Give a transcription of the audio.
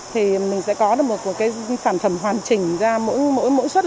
thì mình sẽ có một phản thẩm hoàn chỉnh ra mỗi suất